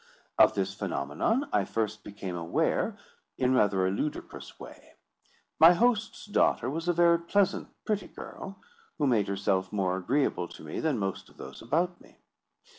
Of this phenomenon I first became aware in rather a ludicrous way. My host's daughter was a very pleasant pretty girl, who made herself more agreeable to me than most of those about me.